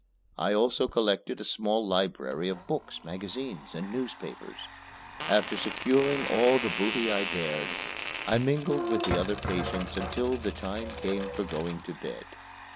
I also collected a small library of books, magazines and newspapers. After securing all the booty I dared, I mingled with the other patients until the time came for going to bed.